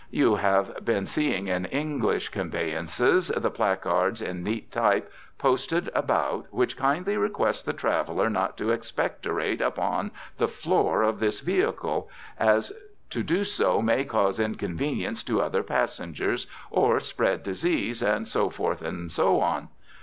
You have been seeing in English conveyances the placards in neat type posted about which kindly request the traveller not to expectorate upon the floor of this vehicle, as to do so may cause inconvenience to other passengers or spread disease, and so forth and so on.